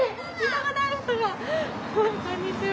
こんにちは。